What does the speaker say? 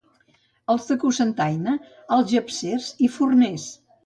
Els de Cocentaina, algepsers i forners.